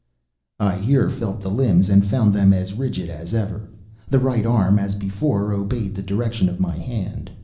I here felt the limbs and found them as rigid as ever. The right arm, as before, obeyed the direction of my hand.